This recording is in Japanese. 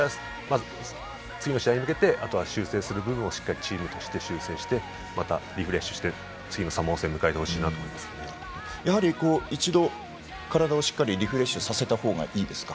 次の試合に向けてあとは修正する部分をチームとして修正してまたリフレッシュして次のサモア戦を一度、体をしっかりリフレッシュさせた方がいいですか？